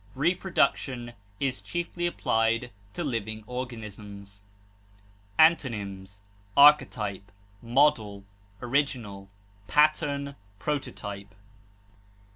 Reproduction is chiefly applied to living organisms. Antonyms: archetype, model, original, pattern, prototype.